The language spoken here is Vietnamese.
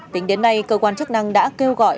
tính đến nay cơ quan chức năng đã kêu gọi